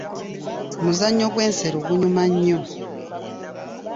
Muzannyo gw'ensero gunyuma nnyo.